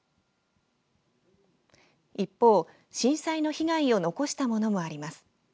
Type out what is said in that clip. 一方、震災の被害を残したものもあります。